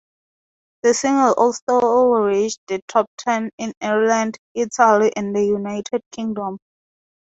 The single also reached the top ten in Ireland, Italy, and the United Kingdom.